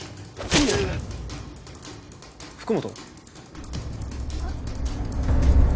福本？